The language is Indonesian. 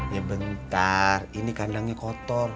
ya bentar ini kandangnya kotor